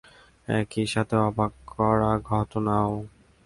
একই সাথে অবাক করা ঘটনাও!